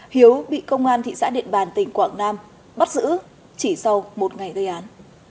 hiếu bị công an thị xã điện bàn tỉnh quảng nam bắt giữ chỉ sau một ngày gây án